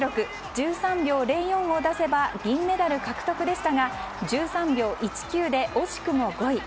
１３秒０４を出せば銀メダル獲得でしたが１３秒１９で惜しくも５位。